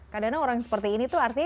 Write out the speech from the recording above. karena orang seperti ini tuh artinya